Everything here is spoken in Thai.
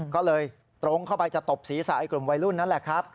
ก็เลยตรงเข้าไปจะตบศีรษะกลุ่มวัยรุ่นนั่นแหละครับ